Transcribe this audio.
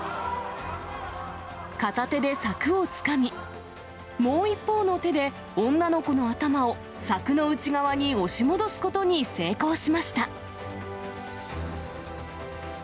片手で柵をつかみ、もう一方の手で女の子の頭を柵の内側に押し戻すことに成功しました。